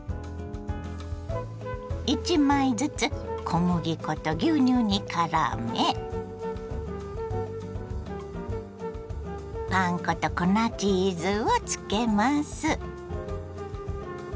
１枚ずつ小麦粉と牛乳にからめパン粉と粉チーズをつけます。